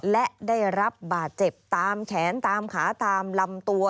และได้รับบาดเจ็บตามแขนตามขาตามลำตัว